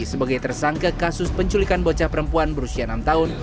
sebagai tersangka kasus penculikan bocah perempuan berusia enam tahun